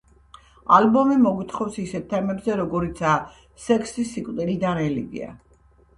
ალბომი მოგვითხრობს ისეთ თემებზე როგორიცაა სექსი, სიკვდილი და რელიგია.